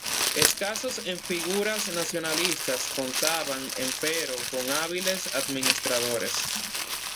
Escaso en figuras nacionalistas, contaba, empero, con hábiles administradores.